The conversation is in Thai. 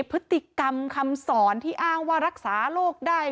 พฤติกรรมคำสอนที่อ้างว่ารักษาโรคได้